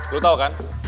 lo tahu kan